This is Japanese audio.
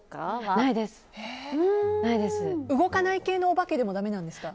動かない系のお化けでもだめなんですか？